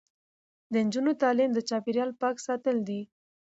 د نجونو تعلیم د چاپیریال پاک ساتل دي.